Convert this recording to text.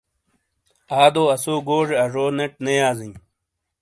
آدو اسو گوزے آزو نیٹ نے یازیں۔